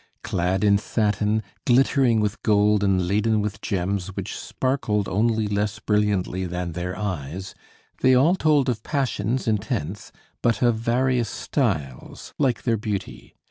Clad in satin, glittering with gold and laden with gems which sparkled only less brilliantly than their eyes, they all told of passions, intense, but of various styles, like their beauty.